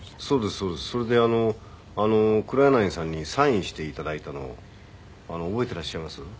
それであの黒柳さんにサインしていただいたのを覚えてらっしゃいます？